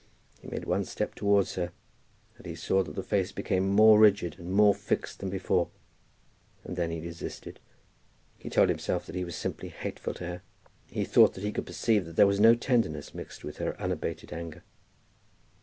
He made one step towards her, and he saw that the face became more rigid and more fixed than before, and then he desisted. He told himself that he was simply hateful to her. He thought that he could perceive that there was no tenderness mixed with her unabated anger.